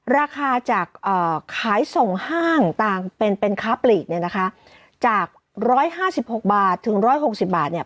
ราคาจากขายส่งห้างต่างเป็นเป็นค้าปลีกเนี่ยนะคะจากร้อยห้าสิบหกบาทถึงร้อยหกสิบบาทเนี่ย